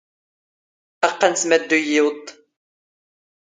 ⴰⵇⵇⴰ ⴰⵏⵙⵎⴰⴷⴷⵓ ⵢⵉⵡⴹ ⴷ!